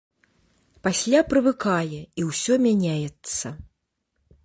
Пасля прывыкае, і ўсё мяняецца.